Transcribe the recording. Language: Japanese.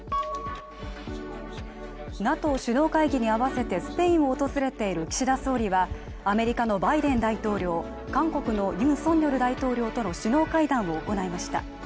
ＮＡＴＯ首脳会議に合わせてスペインを訪れている岸田総理はアメリカのバイデン大統領、韓国のユン・ソンニョル大統領との首脳会談を行いました。